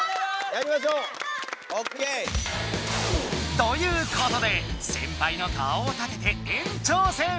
やりましょう。ということで先輩の顔を立てて延長戦！